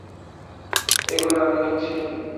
এগুলো আমি নিচ্ছি।